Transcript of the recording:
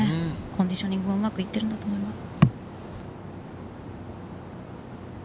コンディショニングもうまくいっているんだと思います。